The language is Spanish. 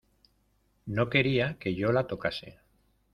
no quería que yo la tocase.